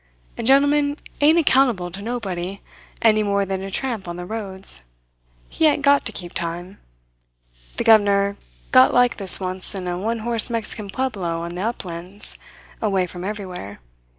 A gentleman ain't accountable to nobody, any more than a tramp on the roads. He ain't got to keep time. The governor got like this once in a one horse Mexican pueblo on the uplands, away from everywhere.